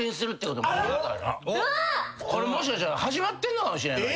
これもしかしたら始まってんのかもしれない。